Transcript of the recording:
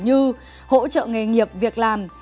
từ hỗ trợ nghề nghiệp việc làm